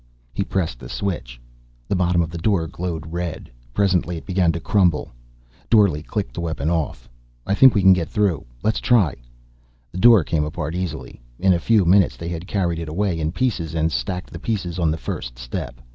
He pressed the switch. The bottom of the door glowed red. Presently it began to crumble. Dorle clicked the weapon off. "I think we can get through. Let's try." The door came apart easily. In a few minutes they had carried it away in pieces and stacked the pieces on the first step.